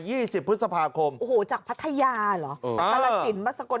ยี่สิบพฤษภาคมโอ้โหจากพัทยาเหรออ่าตลาดจินบัตรสกล